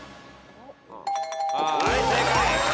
はい正解。